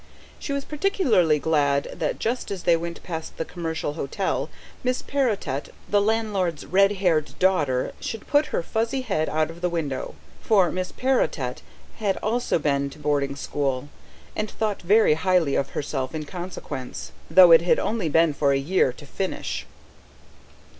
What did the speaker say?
She was particularly glad that just as they went past the Commercial Hotel, Miss Perrotet, the landlord's red haired daughter, should put her fuzzy head out of the window for Miss Perrotet had also been to boarding school, and thought very highly of herself in consequence, though it had only been for a year, to finish.